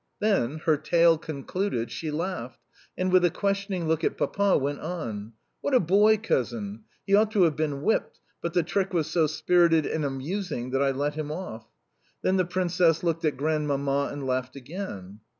Then, her tale concluded, she laughed, and, with a questioning look at Papa, went on: "What a boy, cousin! He ought to have been whipped, but the trick was so spirited and amusing that I let him off." Then the Princess looked at Grandmamma and laughed again.